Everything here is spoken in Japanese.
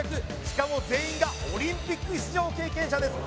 しかも全員がオリンピック出場経験者です